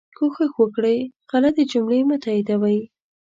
کوښښ وکړئ غلطي جملې مه تائیدوئ